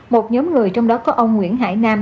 một nhóm người trong đó có ông nguyễn hải nam